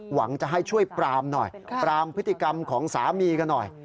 หวังจะให้ช่วยปรามหน่อยปรามพฤติกรรมของสามีกันหน่อย